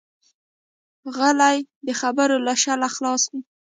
غلی، د خبرو له شره خلاص وي.